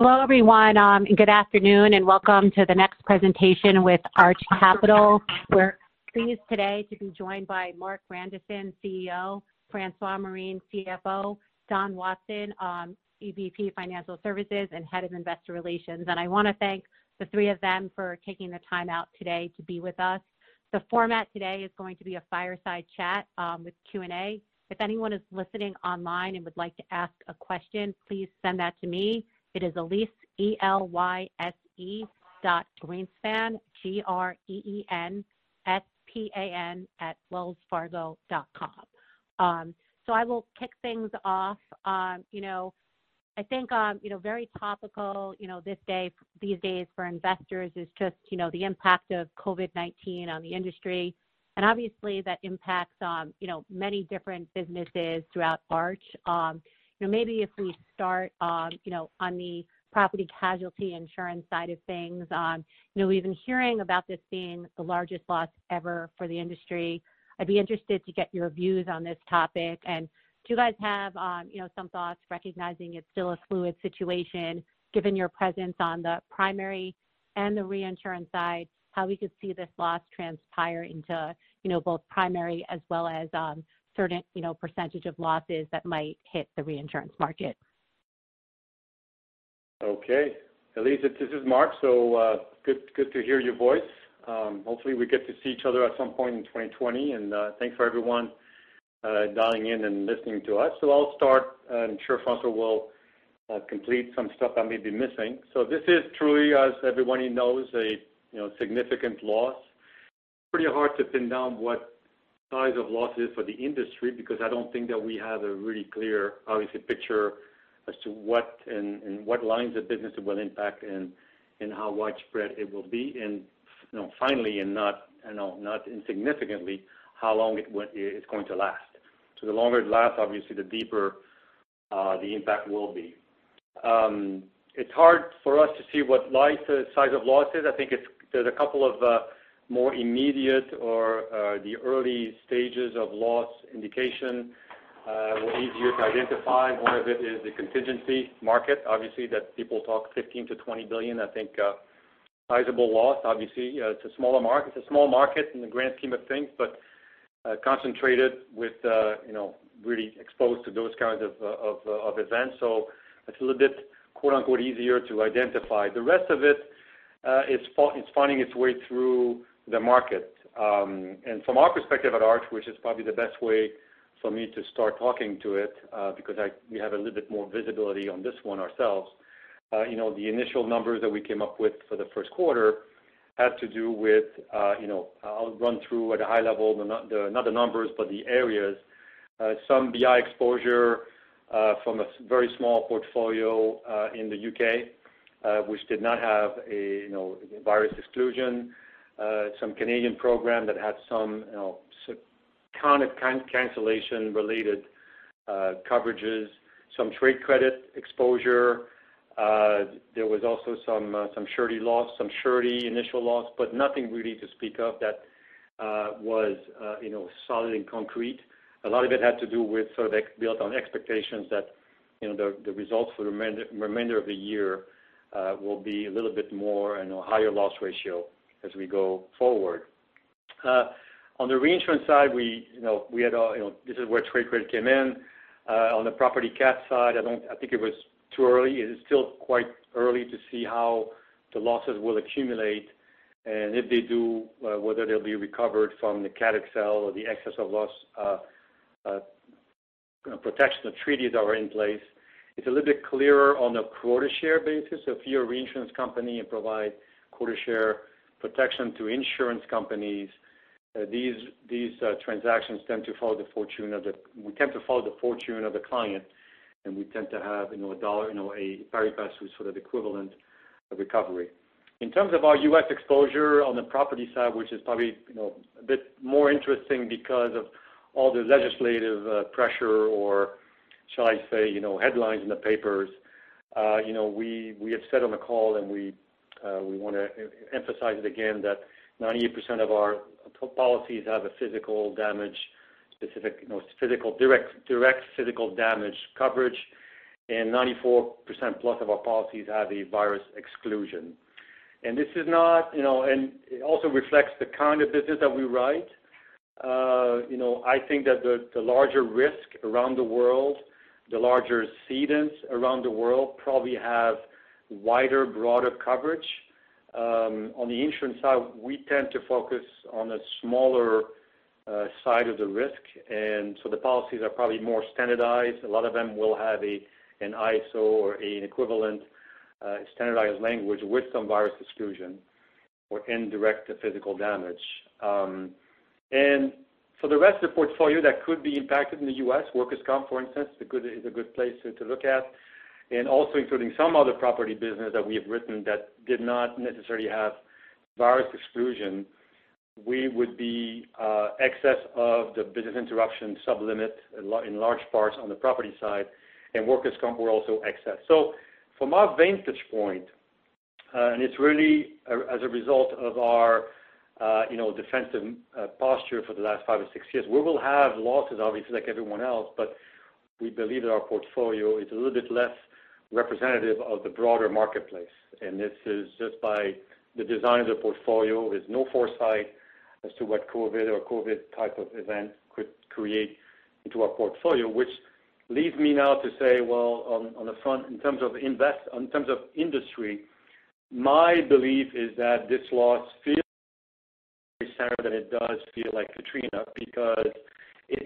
Hello everyone, good afternoon, and welcome to the next presentation with Arch Capital. We are pleased today to be joined by Marc Grandisson, CEO, François Morin, CFO, Don Watson, EVP Financial Services and Head of Investor Relations. I want to thank the three of them for taking the time out today to be with us. The format today is going to be a fireside chat with Q&A. If anyone is listening online and would like to ask a question, please send that to me. It is Elyse, E-L-Y-S-E dot Greenspan, G-R-E-E-N-S-P-A-N @wellsfargo.com. I will kick things off. I think very topical these days for investors is just the impact of COVID-19 on the industry, and obviously that impacts many different businesses throughout Arch. Maybe if we start on the property casualty insurance side of things. We have been hearing about this being the largest loss ever for the industry. I would be interested to get your views on this topic. Do you guys have some thoughts, recognizing it is still a fluid situation, given your presence on the primary and the reinsurance side, how we could see this loss transpire into both primary as well as certain percentage of losses that might hit the reinsurance market? Okay. Elyse, this is Marc. Good to hear your voice. Hopefully we get to see each other at some point in 2020, and thanks for everyone dialing in and listening to us. I will start, I am sure François will complete some stuff I may be missing. This is truly, as everybody knows, a significant loss. Pretty hard to pin down what the size of loss is for the industry, because I do not think that we have a really clear, obviously, picture as to what and what lines of business it will impact and how widespread it will be. Finally, and not insignificantly, how long it is going to last. The longer it lasts, obviously the deeper the impact will be. It is hard for us to see what the size of loss is. I think there is a couple of more immediate or the early stages of loss indication were easier to identify. One of it is the contingency market, obviously, that people talk $15 billion-$20 billion, I think sizable loss. Obviously, it is a small market in the grand scheme of things, but concentrated with really exposed to those kinds of events. It is a little bit, quote unquote, easier to identify. The rest of it is finding its way through the market. From our perspective at Arch, which is probably the best way for me to start talking to it because we have a little bit more visibility on this one ourselves. The initial numbers that we came up with for the first quarter had to do with I will run through at a high level, not the numbers, but the areas. Some BI exposure from a very small portfolio in the U.K., which did not have a virus exclusion. Some Canadian program that had some kind of cancellation related coverages, some trade credit exposure. There was also some surety initial loss, but nothing really to speak of that was solid and concrete. A lot of it had to do with sort of built on expectations that the results for the remainder of the year will be a little bit more and a higher loss ratio as we go forward. On the reinsurance side, this is where trade credit came in. On the property cat side, I think it was too early. It is still quite early to see how the losses will accumulate, and if they do, whether they'll be recovered from the cat XL or the excess of loss protection treaties that were in place. It's a little bit clearer on the quota share basis. If you're a reinsurance company and provide quota share protection to insurance companies, these transactions tend to follow the fortune of the client, and we tend to have a dollar, a pari passu, sort of equivalent recovery. In terms of our U.S. exposure on the property side, which is probably a bit more interesting because of all the legislative pressure or shall I say headlines in the papers. We have said on the call, and we want to emphasize it again, that 98% of our policies have a physical damage specific, direct physical damage coverage, and 94% plus of our policies have a virus exclusion. It also reflects the kind of business that we write. I think that the larger risk around the world, the larger cedents around the world probably have wider, broader coverage. On the insurance side, we tend to focus on a smaller side of the risk, the policies are probably more standardized. A lot of them will have an ISO or an equivalent standardized language with some virus exclusion or indirect physical damage. For the rest of the portfolio that could be impacted in the U.S., workers' comp, for instance, is a good place to look at. Also including some other property business that we have written that did not necessarily have virus exclusion, we would be excess of the business interruption sub-limit in large parts on the property side, and workers' comp were also excess. From our vantage point. It's really as a result of our defensive posture for the last five or six years. We will have losses, obviously, like everyone else, but we believe that our portfolio is a little bit less representative of the broader marketplace. This is just by the design of the portfolio. There's no foresight as to what COVID or COVID type of event could create into our portfolio, which leads me now to say, well, on the front, in terms of industry, my belief is that this loss feels more like Sandy than it does feel like Katrina, because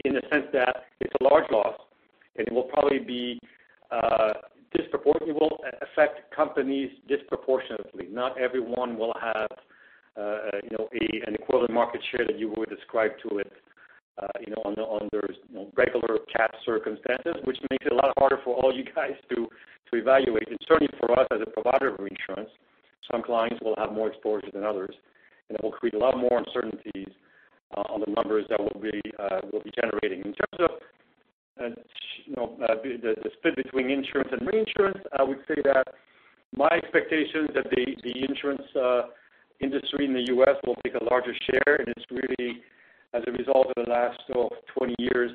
in the sense that it's a large loss, and it will probably affect companies disproportionately. Not everyone will have an equivalent market share that you would ascribe to it under regular cat circumstances, which makes it a lot harder for all you guys to evaluate. Certainly for us as a provider of reinsurance, some clients will have more exposure than others, and it will create a lot more uncertainties on the numbers that we'll be generating. In terms of the split between insurance and reinsurance, I would say that my expectation is that the insurance industry in the U.S. will take a larger share, and it's really as a result of the last 20 years.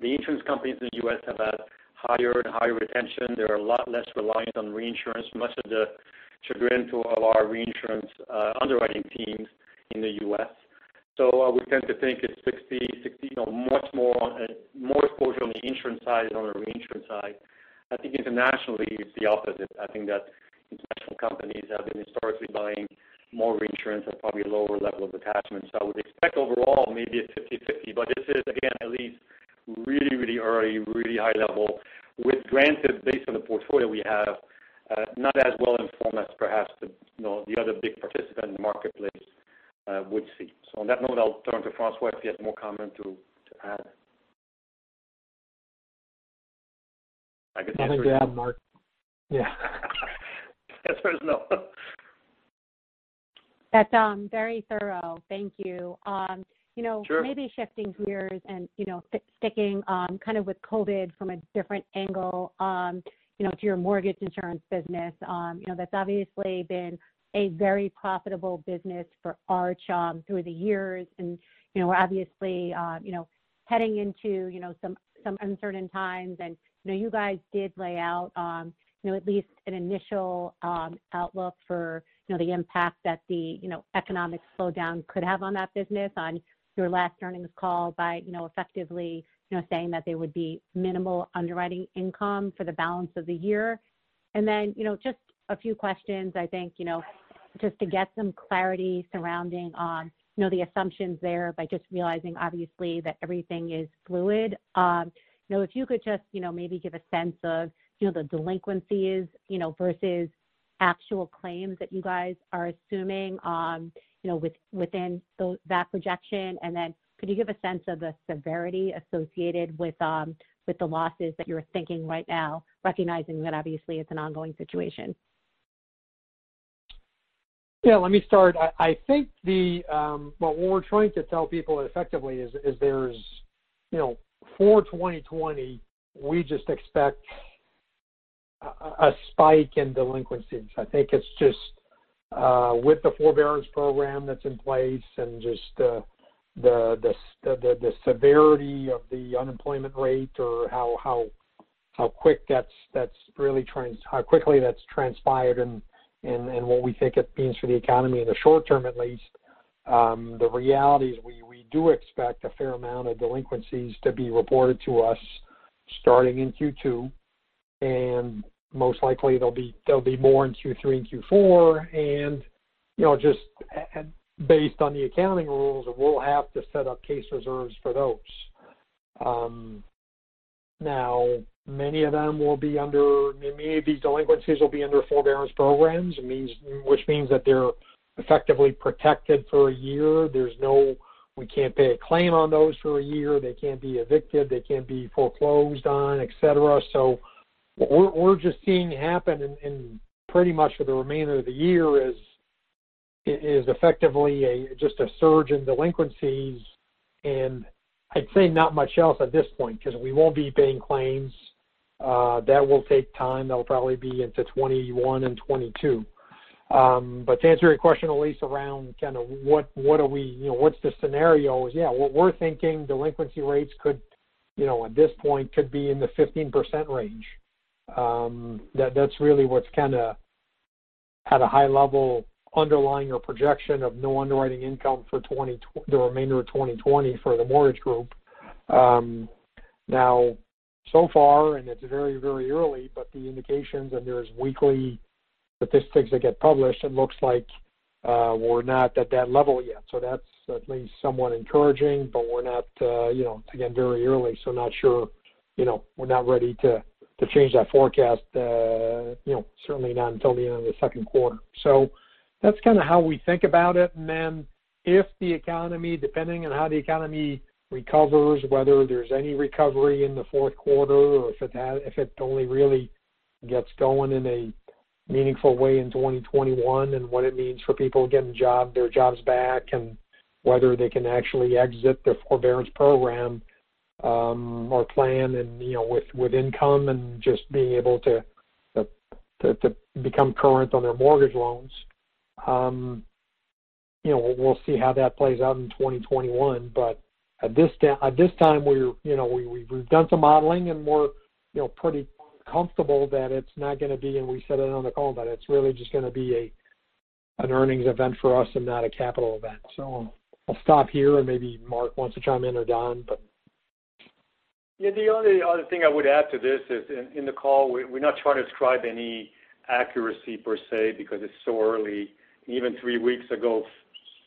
The insurance companies in the U.S. have had higher and higher retention. They're a lot less reliant on reinsurance, much to the chagrin to a lot of our reinsurance underwriting teams in the U.S. I would tend to think it's 60/60 on much more exposure on the insurance side than on the reinsurance side. I think internationally it's the opposite. I think that international companies have been historically buying more reinsurance at probably a lower level of attachment. I would expect overall maybe a 50/50. This is, again, Elyse, really early, really high level with, granted, based on the portfolio we have, not as well-informed as perhaps the other big participant in the marketplace would see. On that note, I'll turn to François if he has more comment to add. I guess not. Nothing to add, Marc. As far as I know. That's very thorough. Thank you. Sure. Maybe shifting gears and sticking with COVID from a different angle to your mortgage insurance business. That's obviously been a very profitable business for Arch through the years, and we're obviously heading into some uncertain times. You guys did lay out at least an initial outlook for the impact that the economic slowdown could have on that business on your last earnings call by effectively saying that there would be minimal underwriting income for the balance of the year. Just a few questions, I think, just to get some clarity surrounding the assumptions there by just realizing, obviously, that everything is fluid. If you could just maybe give a sense of the delinquencies versus actual claims that you guys are assuming within that projection. Could you give a sense of the severity associated with the losses that you're thinking right now, recognizing that obviously it's an ongoing situation? Yeah, let me start. I think what we're trying to tell people effectively is for 2020, we just expect a spike in delinquencies. I think it's just with the forbearance program that's in place and just the severity of the unemployment rate or how quickly that's transpired and what we think it means for the economy in the short term, at least. The reality is we do expect a fair amount of delinquencies to be reported to us starting in Q2, most likely there'll be more in Q3 and Q4. Just based on the accounting rules, we'll have to set up case reserves for those. Now, many of these delinquencies will be under forbearance programs, which means that they're effectively protected for a year. We can't pay a claim on those for a year. They can't be evicted. They can't be foreclosed on, et cetera. What we're just seeing happen in pretty much for the remainder of the year is effectively just a surge in delinquencies. I'd say not much else at this point because we won't be paying claims. That will take time. That will probably be into 2021 and 2022. To answer your question, Elyse, around what's the scenario is, what we're thinking, delinquency rates could, at this point, could be in the 15% range. That's really what's at a high level underlying our projection of no underwriting income for the remainder of 2020 for the mortgage group. So far, it's very early, but the indications, and there's weekly statistics that get published, it looks like we're not at that level yet. That's at least somewhat encouraging, we're not, again, very early, not sure. We're not ready to change that forecast, certainly not until the end of the second quarter. That's how we think about it. If the economy, depending on how the economy recovers, whether there's any recovery in the fourth quarter, or if it only really gets going in a meaningful way in 2021 and what it means for people getting their jobs back and whether they can actually exit the forbearance program our plan and with income and just being able to become current on their mortgage loans. We'll see how that plays out in 2021. At this time, we've done some modeling, we're pretty comfortable that it's not going to be, we said it on the call, it's really just going to be an earnings event for us and not a capital event. I'll stop here and maybe Marc wants to chime in or Don. The only other thing I would add to this is, in the call, we're not trying to ascribe any accuracy per se, because it's so early. Even three weeks ago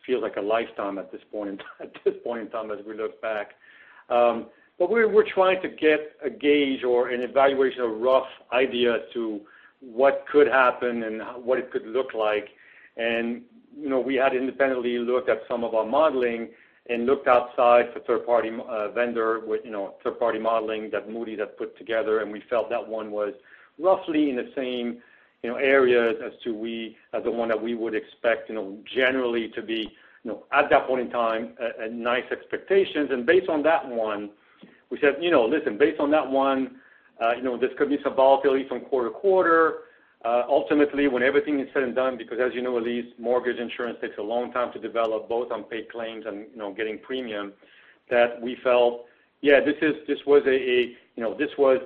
feels like a lifetime at this point in time as we look back. We're trying to get a gauge or an evaluation, a rough idea as to what could happen and what it could look like. We had independently looked at some of our modeling and looked outside for third-party modeling that Moody's had put together, we felt that one was roughly in the same areas as the one that we would expect, generally to be, at that point in time, a nice expectation. Based on that one, we said, "Listen, based on that one, this could be some volatility from quarter to quarter." Ultimately, when everything is said and done, because as you know, Elyse, mortgage insurance takes a long time to develop, both on paid claims and getting premium, that we felt, yeah, this was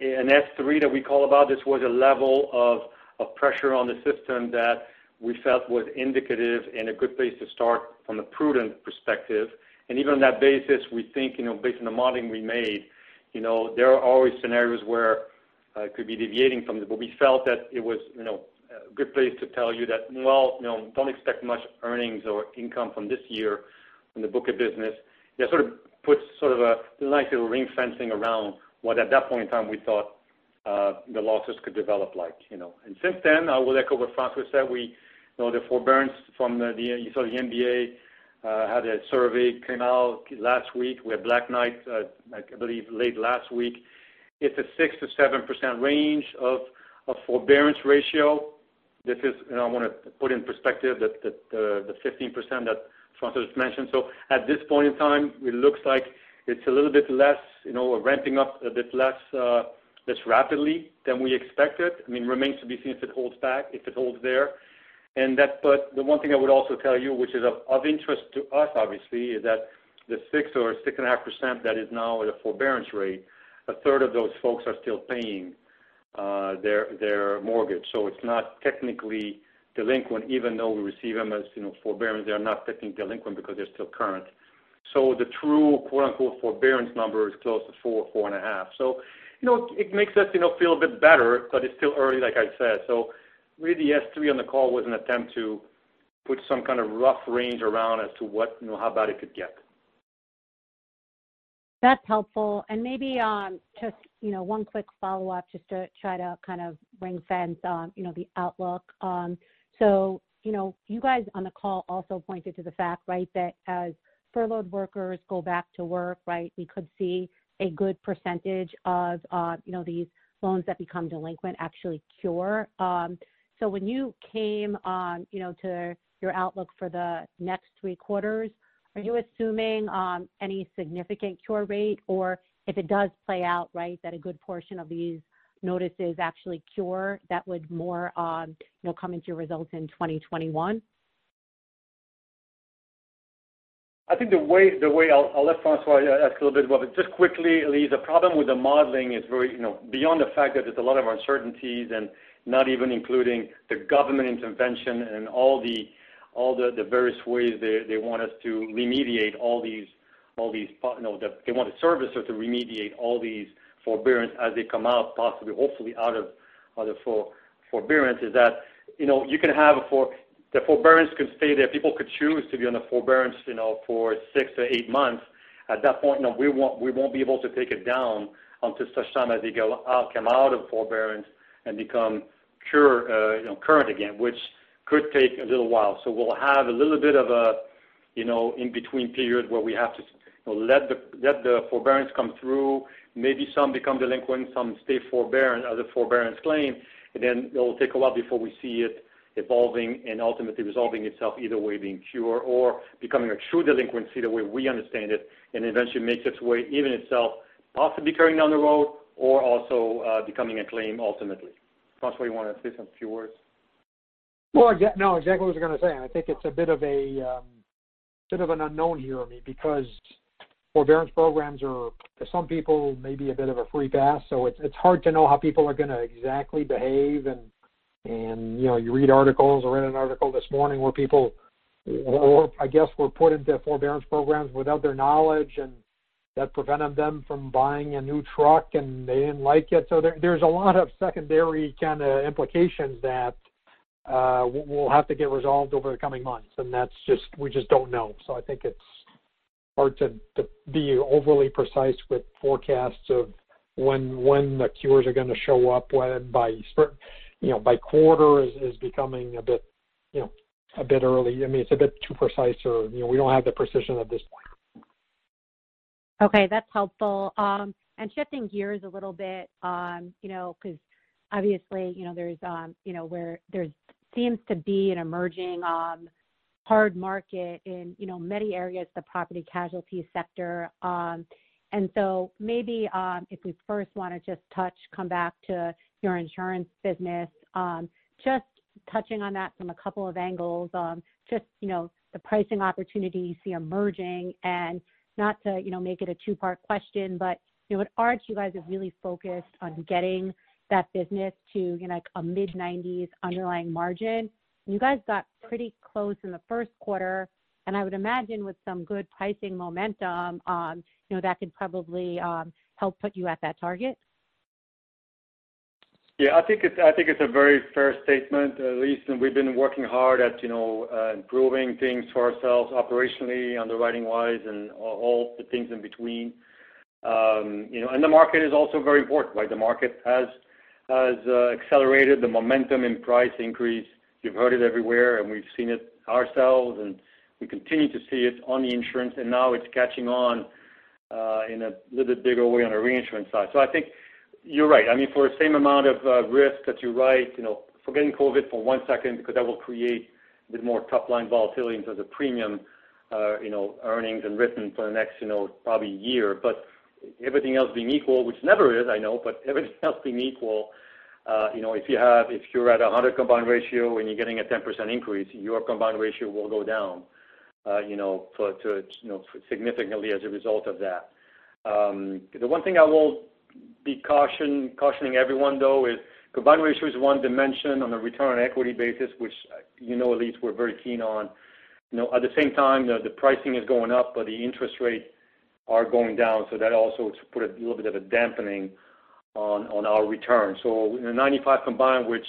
an S-3 that we call about. This was a level of pressure on the system that we felt was indicative and a good place to start from the prudent perspective. Even on that basis, we think, based on the modeling we made, there are always scenarios where it could be deviating from it. We felt that it was a good place to tell you that, well, don't expect much earnings or income from this year from the book of business. Yeah, sort of puts a nice little ring fencing around what, at that point in time, we thought the losses could develop like. Since then, I will echo what François said. The forbearance. You saw the MBA had a survey, came out last week. We had Black Knight, I believe, late last week. It's a 6%-7% range of forbearance ratio. I want to put in perspective the 15% that François just mentioned. At this point in time, it looks like it's a little bit less. We're ramping up a bit less rapidly than we expected. Remains to be seen if it holds back, if it holds there. The one thing I would also tell you, which is of interest to us, obviously, is that the 6% or 6.5% that is now at a forbearance rate, a third of those folks are still paying their mortgage. It's not technically delinquent, even though we receive them as forbearance, they are not technically delinquent because they're still current. The true, quote-unquote, forbearance number is close to 4%, 4.5%. It makes us feel a bit better, but it's still early, like I said. Really, the S-3 on the call was an attempt to put some kind of rough range around as to how bad it could get. That's helpful. Maybe just one quick follow-up just to try to kind of ring-fence the outlook. You guys on the call also pointed to the fact that as furloughed workers go back to work, we could see a good percentage of these loans that become delinquent actually cure. When you came to your outlook for the next three quarters, are you assuming any significant cure rate? Or if it does play out, that a good portion of these notices actually cure, that would more come into your results in 2021? I'll let François add a little bit. Just quickly, Elyse, the problem with the modeling is beyond the fact that there's a lot of uncertainties and not even including the government intervention and all the various ways they want the servicer to remediate all these forbearance as they come out, possibly, hopefully out of forbearance, is that the forbearance could stay there. People could choose to be on a forbearance for six to eight months. At that point, we won't be able to take it down until such time as they come out of forbearance and become current again, which could take a little while. We'll have a little bit of an in-between period where we have to let the forbearance come through. Maybe some become delinquent, some stay forbearance as a forbearance claim, then it'll take a while before we see it evolving and ultimately resolving itself, either way, being cure or becoming a true delinquency the way we understand it, eventually makes its way, even itself, possibly carrying down the road or also becoming a claim ultimately. François, you want to say some few words? No, exactly what I was going to say. I think it's a bit of an unknown here because forbearance programs are, for some people, maybe a bit of a free pass. It's hard to know how people are going to exactly behave. You read articles. I read an article this morning where people, I guess, were put into forbearance programs without their knowledge, that prevented them from buying a new truck, and they didn't like it. There's a lot of secondary kind of implications that will have to get resolved over the coming months, we just don't know. I think it's hard to be overly precise with forecasts of when the cures are going to show up by quarter is becoming a bit early. It's a bit too precise, or we don't have the precision at this point. Okay, that's helpful. Shifting gears a little bit because obviously, there seems to be an emerging Hard market in many areas, the property casualty sector. Maybe if we first want to just touch, come back to your insurance business, just touching on that from a couple of angles. Just the pricing opportunities you see emerging and not to make it a two-part question, but at Arch you guys are really focused on getting that business to a mid-90s underlying margin. You guys got pretty close in the first quarter, I would imagine with some good pricing momentum, that could probably help put you at that target. Yeah, I think it's a very fair statement, Elyse, we've been working hard at improving things for ourselves operationally, underwriting-wise, and all the things in between. The market is also very important, right? The market has accelerated the momentum in price increase. You've heard it everywhere, and we've seen it ourselves, and we continue to see it on the insurance, now it's catching on in a little bit bigger way on the reinsurance side. I think you're right. I mean, for the same amount of risk that you write, forgetting COVID for one second, because that will create a bit more top-line volatility in terms of premium earnings and written for the next probably year. Everything else being equal, which never is, I know, everything else being equal, if you're at 100 combined ratio and you're getting a 10% increase, your combined ratio will go down significantly as a result of that. The one thing I will be cautioning everyone, though, is combined ratio is one dimension on the return on equity basis, which you know, Elyse, we're very keen on. At the same time, the pricing is going up, the interest rates are going down, that also put a little bit of a dampening on our return. In a 95 combined, which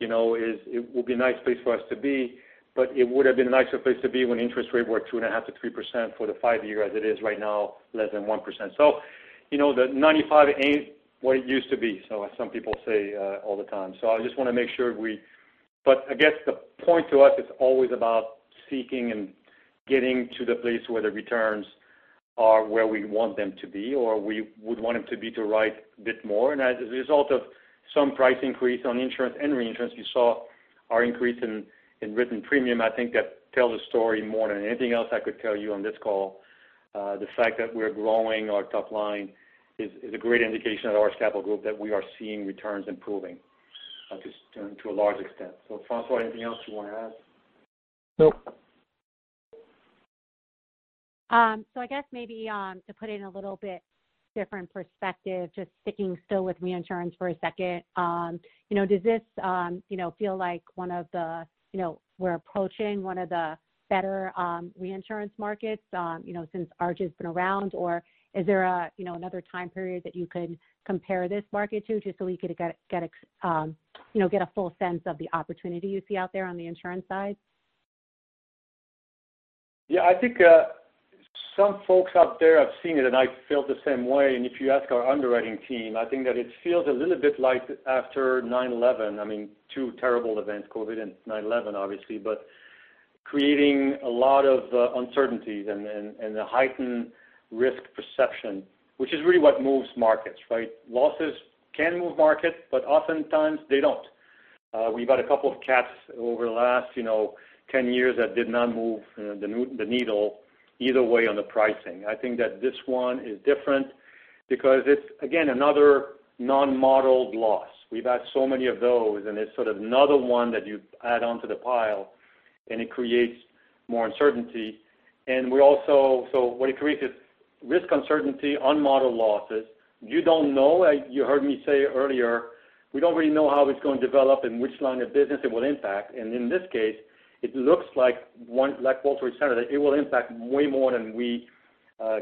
it would be a nice place for us to be, but it would have been a nicer place to be when interest rates were 2.5% to 3% for the five-year as it is right now, less than 1%. The 95 ain't what it used to be, as some people say all the time. I just want to make sure we I guess the point to us, it's always about seeking and getting to the place where the returns are where we want them to be, or we would want them to be to right a bit more. As a result of some price increase on insurance and reinsurance, you saw our increase in written premium. I think that tells the story more than anything else I could tell you on this call. The fact that we're growing our top line is a great indication at Arch Capital Group that we are seeing returns improving to a large extent. François, anything else you want to add? Nope. I guess maybe to put in a little bit different perspective, just sticking still with reinsurance for a second. Does this feel like we're approaching one of the better reinsurance markets since Arch has been around, or is there another time period that you could compare this market to, just so we could get a full sense of the opportunity you see out there on the insurance side? Yeah, I think some folks out there have seen it, I feel the same way. If you ask our underwriting team, I think that it feels a little bit like after 9/11. I mean, two terrible events, COVID and 9/11, obviously, creating a lot of uncertainties and the heightened risk perception, which is really what moves markets, right? Losses can move markets, oftentimes they don't. We've had a couple of cats over the last 10 years that did not move the needle either way on the pricing. I think that this one is different because it's, again, another non-modeled loss. We've had so many of those, it's sort of another one that you add onto the pile, it creates more uncertainty. What it creates is risk uncertainty on model losses. You don't know, you heard me say earlier, we don't really know how it's going to develop and which line of business it will impact. In this case, it looks like World Trade Center, that it will impact way more than we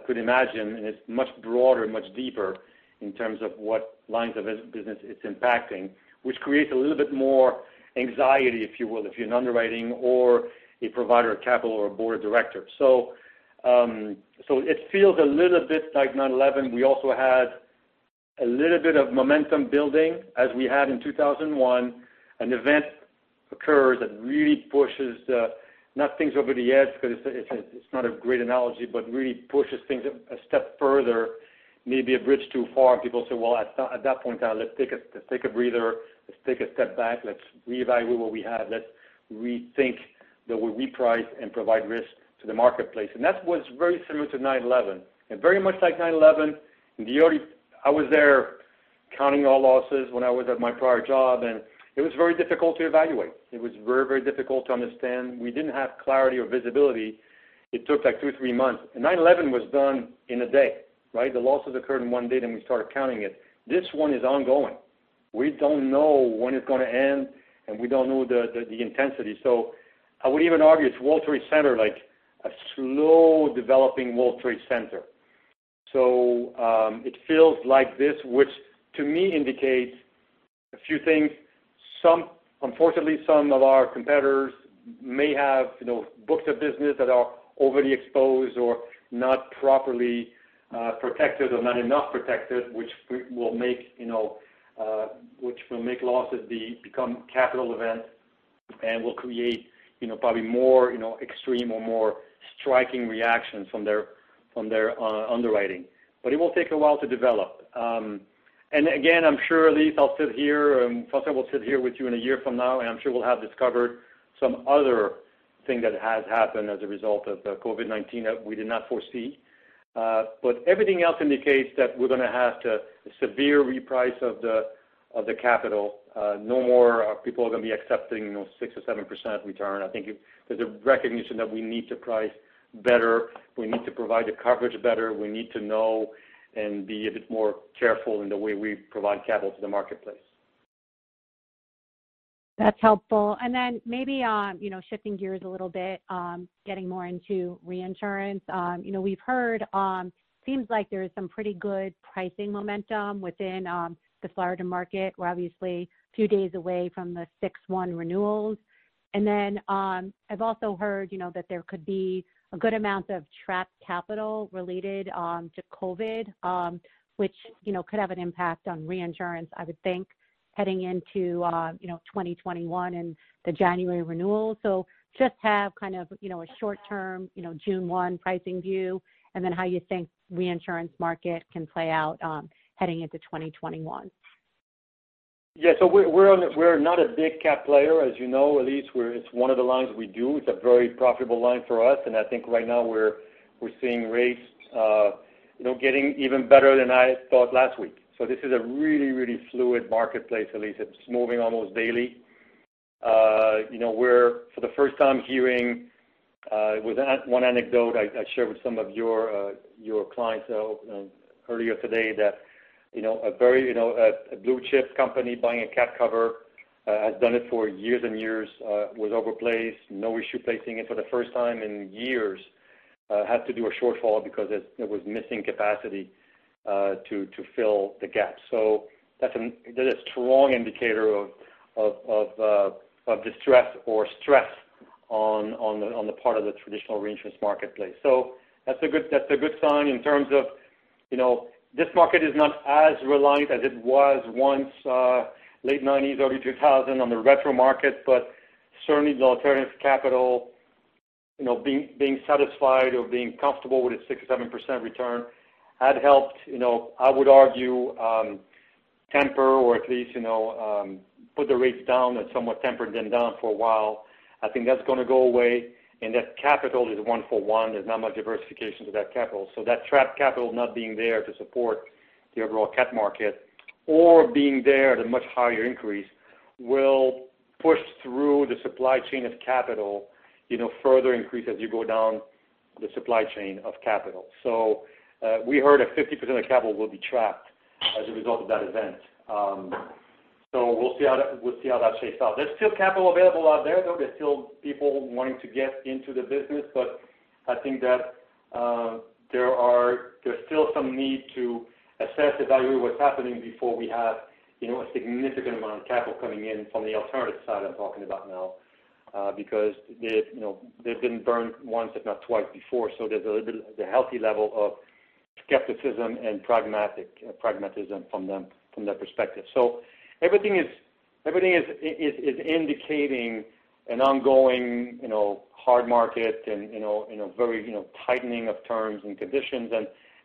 could imagine, it's much broader, much deeper in terms of what lines of business it's impacting, which creates a little bit more anxiety, if you will, if you're an underwriting or a provider of capital or a board of director. It feels a little bit like 9/11. We also had a little bit of momentum building as we had in 2001. An event occurs that really pushes the, not things over the edge, because it's not a great analogy, but really pushes things a step further, maybe a bridge too far. People say, well, at that point, let's take a breather. Let's take a step back. Let's reevaluate what we have. Let's rethink the way we price and provide risk to the marketplace. That was very similar to 9/11. Very much like 9/11, I was there counting all losses when I was at my prior job, it was very difficult to evaluate. It was very difficult to understand. We didn't have clarity or visibility. It took two, three months. 9/11 was done in a day, right? The losses occurred in one day, we started counting it. This one is ongoing. We don't know when it's going to end, we don't know the intensity. I would even argue it's World Trade Center, like a slow developing World Trade Center. It feels like this, which to me indicates a few things. Unfortunately, some of our competitors may have booked a business that are overly exposed or not properly protected or not enough protected, which will make losses become capital events and will create probably more extreme or more striking reactions from their underwriting. It will take a while to develop. Again, I'm sure, Elyse, I'll sit here, and François will sit here with you in a year from now, and I'm sure we'll have discovered some other thing that has happened as a result of COVID-19 that we did not foresee. Everything else indicates that we're going to have to severe reprice of the capital. No more people are going to be accepting 6% or 7% return. I think there's a recognition that we need to price better. We need to provide the coverage better. We need to know and be a bit more careful in the way we provide capital to the marketplace. That's helpful. Maybe shifting gears a little bit, getting more into reinsurance. We've heard, seems like there is some pretty good pricing momentum within the Florida market. We're obviously a few days away from the 6/1 renewals. I've also heard that there could be a good amount of trapped capital related to COVID, which could have an impact on reinsurance, I would think, heading into 2021 and the January renewal. Just have kind of a short-term June 1 pricing view, and then how you think reinsurance market can play out heading into 2021. We're not a big cat player, as you know, Elyse, it's one of the lines we do. It's a very profitable line for us, and I think right now we're seeing rates getting even better than I thought last week. This is a really fluid marketplace, Elyse. It's moving almost daily. We're for the first time hearing with one anecdote I shared with some of your clients earlier today that a blue-chip company buying a cat cover, has done it for years and years, was overplaced, no issue placing it for the first time in years, had to do a shortfall because it was missing capacity to fill the gap. That's a strong indicator of distress or stress on the part of the traditional reinsurance marketplace. That's a good sign in terms of this market is not as reliant as it was once late 1990s, early 2000s on the retrocession market, but certainly the alternative capital being satisfied or being comfortable with its 6% or 7% return had helped. I would argue temper, or at least put the rates down and somewhat tempered them down for a while. I think that's going to go away, and that capital is one for one. There's not much diversification to that capital. That trapped capital not being there to support the overall cat market or being there at a much higher increase will push through the supply chain of capital, further increase as you go down the supply chain of capital. We heard that 50% of capital will be trapped as a result of that event. We'll see how that shakes out. There's still capital available out there, though. There's still people wanting to get into the business. I think that there's still some need to assess, evaluate what's happening before we have a significant amount of capital coming in from the alternative side I'm talking about now. Because they've been burned once, if not twice before. There's a healthy level of skepticism and pragmatism from their perspective. Everything is indicating an ongoing hard market and very tightening of terms and conditions.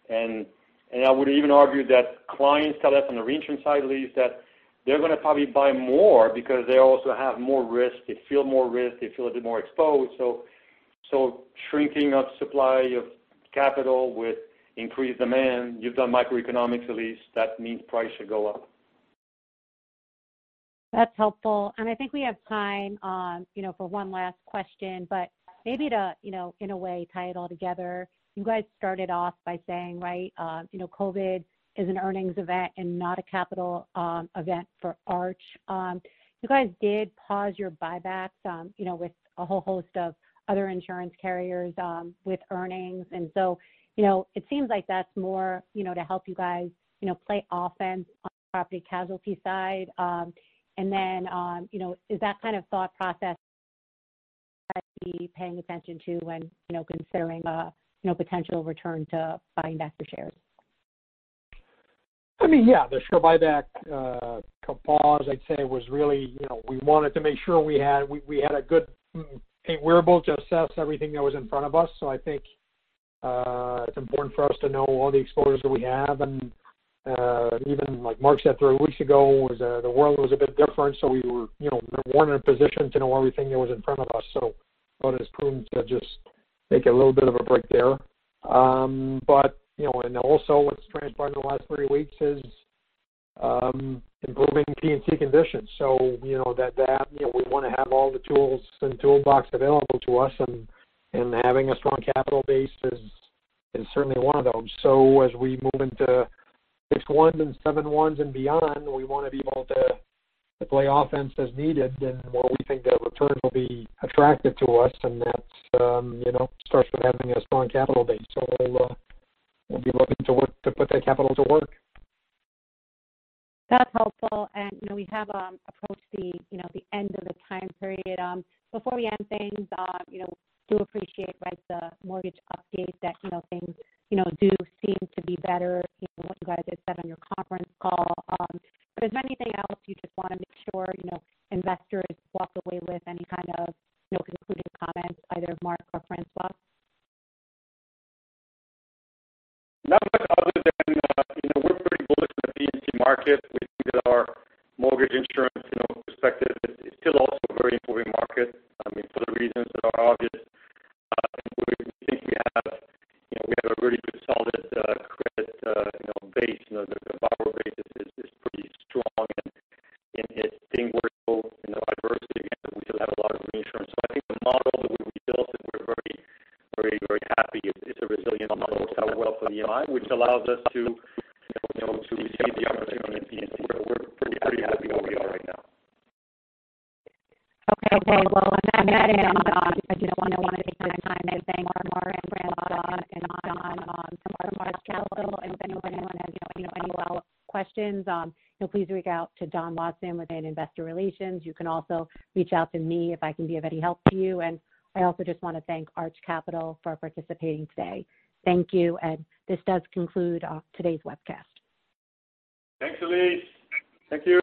I would even argue that clients tell us on the reinsurance side, Elyse, that they're going to probably buy more because they also have more risk. They feel more risk. They feel a bit more exposed. Shrinking of supply of capital with increased demand, you've done microeconomics, Elyse, that means price should go up. That's helpful. I think we have time for one last question, maybe to, in a way, tie it all together. You guys started off by saying COVID is an earnings event and not a capital event for Arch. You guys did pause your buybacks with a whole host of other insurance carriers with earnings. It seems like that's more to help you guys play offense on the property casualty side. Is that kind of thought process be paying attention to when considering potential return to buying back the shares? I mean, yeah. The share buyback pause, I'd say, we wanted to make sure we were able to assess everything that was in front of us. I think it's important for us to know all the exposures that we have, and even like Marc said three weeks ago, the world was a bit different. We weren't in a position to know everything that was in front of us. Thought it was prudent to just take a little bit of a break there. What's transpired in the last three weeks is improving P&C conditions. We want to have all the tools and toolbox available to us, and having a strong capital base is certainly one of those. As we move into 6/1s and 7/1s and beyond, we want to be able to play offense as needed, and where we think the returns will be attractive to us, and that starts with having a strong capital base. We'll be looking to put that capital to work. We have approached the end of the time period. Before we end things, do appreciate the mortgage update that things do seem to be better, what you guys had said on your conference call. Is there anything else you just want to make sure investors walk away with? Any kind of concluding comments, either Marc or François? Not much other than we're pretty bullish on the P&C market. We think that our mortgage insurance perspective is still also a very important market. I mean, for the reasons that are obvious.